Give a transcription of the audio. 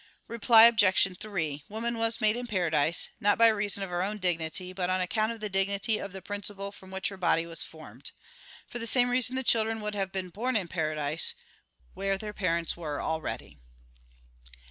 Reply Obj. 3: Woman was made in paradise, not by reason of her own dignity, but on account of the dignity of the principle from which her body was formed. For the same reason the children would have been born in paradise, where their parents were already.